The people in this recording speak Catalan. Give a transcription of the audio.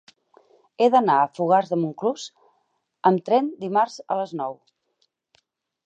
He d'anar a Fogars de Montclús amb tren dimarts a les nou.